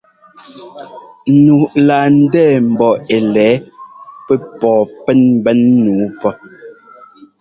Nu laa ndɛɛ̀̀ mbɔ ɛ́ lɛ̌ɛ pɛ́ pɔɔ pɛn ḿbɛn nǔu pɔ́ !